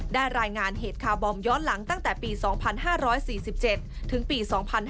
รายงานเหตุคาร์บอมย้อนหลังตั้งแต่ปี๒๕๔๗ถึงปี๒๕๕๙